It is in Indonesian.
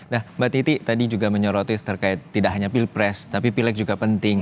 nah mbak titi tadi juga menyoroti terkait tidak hanya pilpres tapi pileg juga penting